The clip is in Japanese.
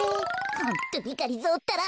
ホントにがりぞーったら。